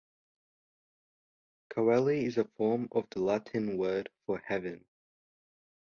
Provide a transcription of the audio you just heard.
"Coeli" is a form of the Latin word for "heaven".